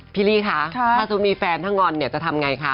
ลี่คะถ้าสมมุติมีแฟนถ้างอนเนี่ยจะทำไงคะ